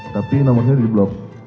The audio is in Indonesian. tapi nomornya diblok